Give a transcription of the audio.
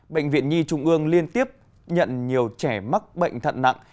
bệnh viện nhi trung ương liên tiếp nhận nhiều trẻ mắc bệnh thận nặng